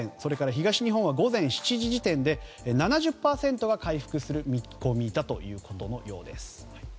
東日本は午前７時時点で７０％が回復する見込みだということのようです。